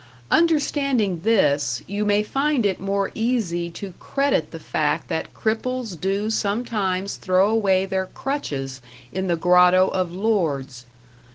Understanding this, you may find it more easy to credit the fact that cripples do sometimes throw away their crutches in the grotto of Lourdes.